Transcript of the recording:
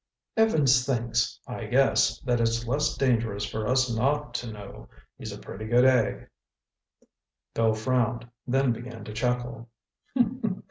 "Evans thinks, I guess, that it's less dangerous for us not to know. He's a pretty good egg." Bill frowned, then began to chuckle.